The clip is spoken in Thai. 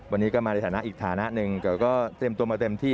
วันนี้ก็มาในฐานะอีกฐานะหนึ่งแต่ก็เตรียมตัวมาเต็มที่